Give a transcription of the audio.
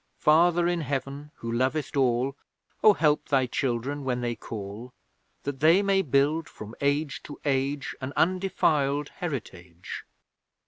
Father in Heaven Who lovest all, Oh, help Thy children when they call; That they may build from age to age, An undefiled heritage.